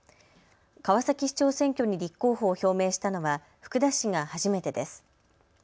川崎市長選挙に立候補を表明したのは福田氏が初めてです。